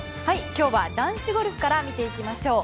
今日は男子ゴルフから見ていきましょう。